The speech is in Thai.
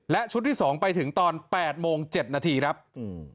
และชุดที่สองไปถึงตอนแปดโมงเจ็ดนาทีครับอืม